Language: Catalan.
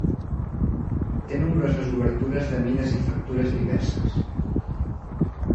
Té nombroses obertures de mides i factures diverses.